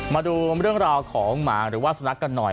มาดูเรื่องราวของหมาหรือว่าสุนัขกันหน่อย